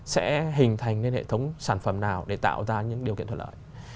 sẽ hình thành nên hệ thống sản phẩm nào để tạo ra những điều kiện thuận lợi